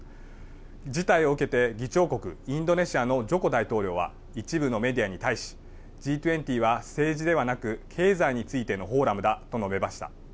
事態を受けて議長国インドネシアのジョコ大統領は一部のメディアに対しＧ２０は政治ではなく経済についてのフォーラムだと述べました。